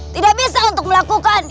tidak bisa untuk melakukannya